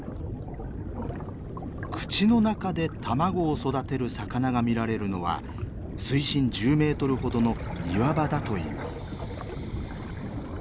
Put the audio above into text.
口の中で卵を育てる魚が見られるのは水深１０メートルほどの岩場だといいます。